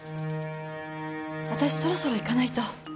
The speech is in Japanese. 私そろそろ行かないと。